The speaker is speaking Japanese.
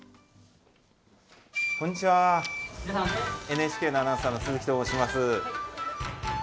ＮＨＫのアナウンサーの鈴木と申します。